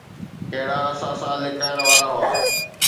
ڪهڙا اثاثا لڪائڻ وارا هئا؟